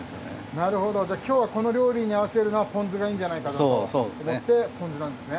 なるほどじゃあ今日はこの料理に合わせるのはポン酢がいいんじゃないかと思ってポン酢なんですね。